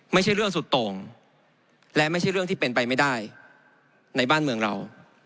ไม่ใช่เรื่องสุดโต่งและไม่ใช่เรื่องที่เป็นไปไม่ได้ในบ้านเมืองเรา